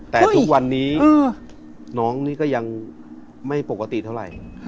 แต่ทุกวันนี้น้องนี่ก็ยังไม่ปกติเท่าไหร่